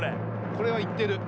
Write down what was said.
これはいってる。